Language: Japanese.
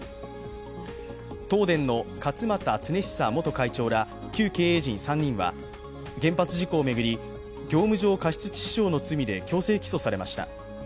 東電の勝俣恒久元会長ら旧経営陣３人は原発事故を巡り、業務上過失致死傷の罪で強制起訴されました。